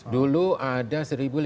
lima ratus dulu ada